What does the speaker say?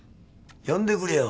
呼んでくれよ。